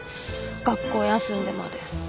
学校休んでまで。